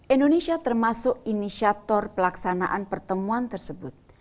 indonesia termasuk inisiator pelaksanaan pertemuan tersebut